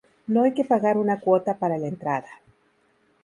No hay que pagar una cuota para la entrada.